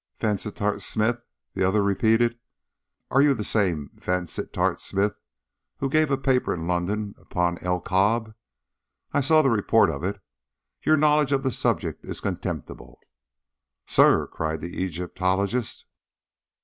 "Vansittart Smith," the other repeated. "Are you the same Vansittart Smith who gave a paper in London upon El Kab? I saw a report of it. Your knowledge of the subject is contemptible." "Sir!" cried the Egyptologist.